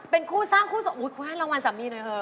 เป็นคู่สร้างคู่สมมุติคุณให้รางวัลสามีหน่อยเถอ